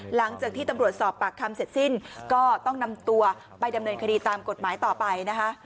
หลังจากที่ตำรวจสอบปากคำเสร็จสิ้นก็ต้องนำตัวไปดำเนินคดีตามกฎหมายต่อไปนะคะ